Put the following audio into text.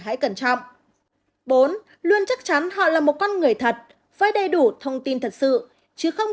hãy cẩn trọng bốn luôn chắc chắn họ là một con người thật với đầy đủ thông tin thật sự chứ không